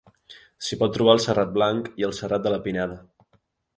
S'hi pot trobar el Serrat Blanc i el Serrat de la Pineda.